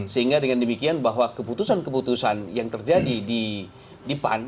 sehingga dengan demikian bahwa keputusan keputusan yang terjadi di pan